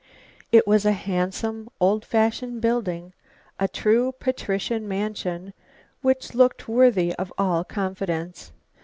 It was a handsome, old fashioned building, a true patrician mansion which looked worthy of all confidence.